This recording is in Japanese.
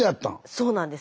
そうなんです。